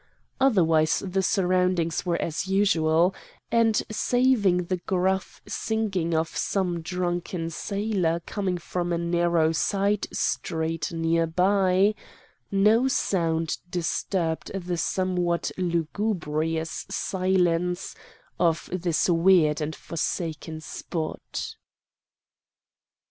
Otherwise the surroundings were as usual, and saving the gruff singing of some drunken sailor coming from a narrow side street near by, no sound disturbed the somewhat lugubrious silence of this weird and forsaken spot.